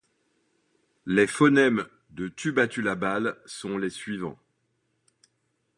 Les phonèmes du tubatulabal sont les suivants.